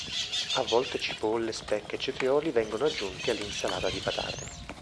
A volte cipolle, speck o cetrioli vengono aggiunti all'insalata di patate.